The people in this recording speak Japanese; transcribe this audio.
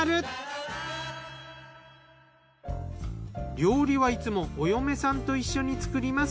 料理はいつもお嫁さんと一緒に作ります。